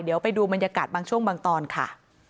เดี๋ยวไปดูบรรยากาศบางช่วงบางตอนค่ะ